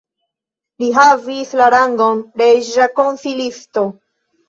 Li havis la rangon reĝa konsilisto.